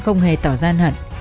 không hề tỏ ra hận